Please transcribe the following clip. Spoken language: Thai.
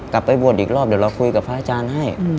กลับไปบวชอีกรอบเดี๋ยวเราคุยกับพระอาจารย์ให้